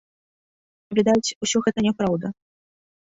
Відаць, усё гэта няпраўда.